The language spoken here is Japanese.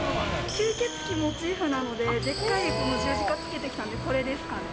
吸血鬼モチーフなので、でっかいこの十字架つけてきたんで、これですかね。